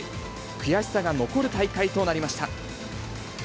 悔しさが残る大会となりました。